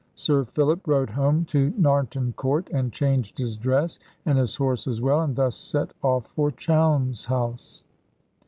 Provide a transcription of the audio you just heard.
Sir Philip rode home to Narnton Court, and changed his dress, and his horse as well, and thus set off for Chowne's house.